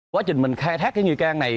quá trình mình khai thác cái nghi can này